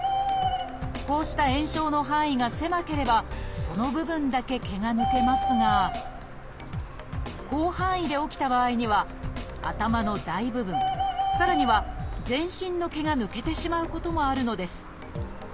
こうした炎症の範囲が狭ければその部分だけ毛が抜けますが広範囲で起きた場合には頭の大部分さらには全身の毛が抜けてしまうこともあるのです。